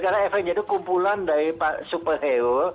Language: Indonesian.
karena avengers itu kumpulan dari superhero